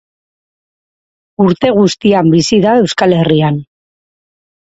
Urte guztian bizi da Euskal Herrian.